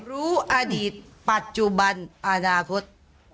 อดีตปัจจุบันอนาคต